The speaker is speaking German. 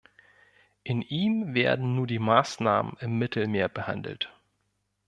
In ihm werden nur die Maßnahmen im Mittelmeer behandelt.